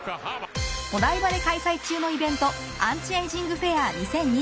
お台場で開催中のイベントアンチエイジングフェア